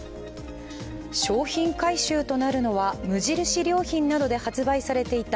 商品回収となるのは無印良品などで発売されていた